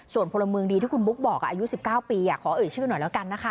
ส่วนพลเมืองดีที่คุณบุ๊กบอกอายุ๑๙ปีขอเอ่ยชื่อหน่อยแล้วกันนะคะ